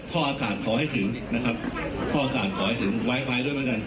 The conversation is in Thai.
ท่ออากาศขอให้ถึงนะครับท่ออากาศขอให้ถึงไวไฟด้วยแล้วกัน